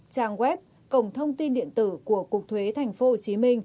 trang web cổng thông tin điện tử của cục thuế tp hcm